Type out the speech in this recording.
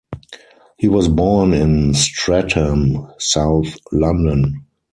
He was born in Streatham, South London.